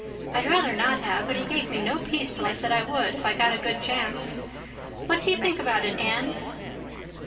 I'd rather not have, but he gave me no peace till I said I would, if I got a good chance. What do you think about it, Anne?"